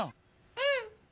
うん！